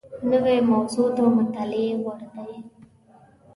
نوې موضوع د مطالعې وړ ده